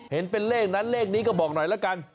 เห็นเป็นเลขนั้นเลขนี้ก็บอกหน่อยละกัน